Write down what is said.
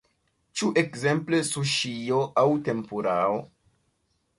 Ĉu ekzemple suŝio aŭ tempurao?